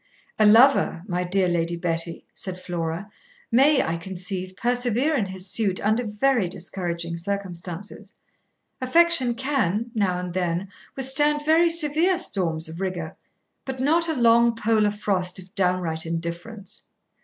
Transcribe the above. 'A lover, my dear Lady Betty,' said Flora, 'may, I conceive, persevere in his suit under very discouraging circumstances. Affection can (now and then) withstand very severe storms of rigour, but not a long polar frost of downright indifference.